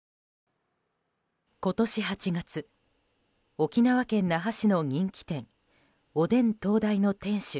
今年８月沖縄県那覇市の人気店おでん東大の店主